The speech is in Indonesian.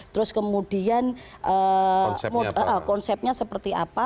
terus kemudian konsepnya seperti apa